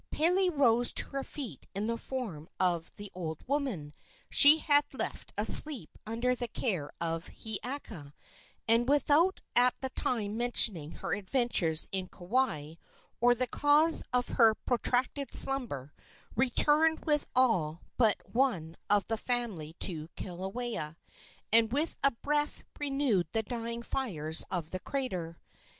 Pele rose to her feet in the form of the old woman she had left asleep under the care of Hiiaka, and, without at the time mentioning her adventures in Kauai or the cause of her protracted slumber, returned with all but one of the family to Kilauea, and with a breath renewed the dying fires of the crater.